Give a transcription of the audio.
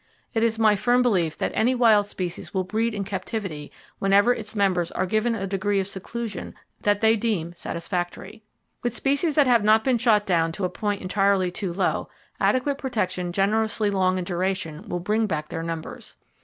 It is my firm belief that any wild species will breed in captivity whenever its members are given a degree of seclusion that they deem satisfactory. With species that have not been shot down to a point entirely too low, adequate protection generously long in duration will bring back their numbers.